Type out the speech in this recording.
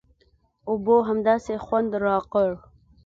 اوبو همداسې خوند راکړ.